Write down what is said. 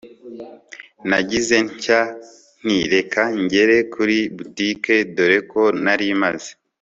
nagize ntya nti reka ngere kuri boutique dore ko nari maze